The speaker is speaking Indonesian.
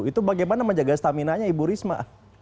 itu bagaimana menjaga stamina nya ibu risma